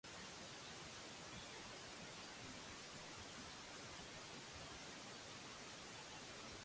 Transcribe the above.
Cannonballs are said to have been made here during the English Civil War.